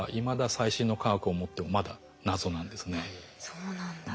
そうなんだ。